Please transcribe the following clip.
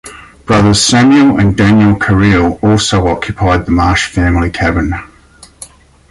Brothers Samuel and Daniel Carriel also occupied the Marsh family cabin.